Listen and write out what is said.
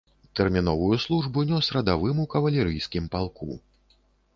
Тэрміновую службу нёс радавым у кавалерыйскім палку.